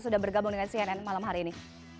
sudah bergabung dengan cnn malam hari ini